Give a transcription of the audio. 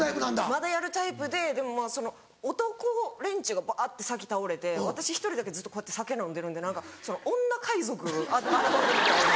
まだやるタイプででもその男連中がばって先倒れて私１人だけずっとこうやって酒飲んでるんで何か女海賊みたいな。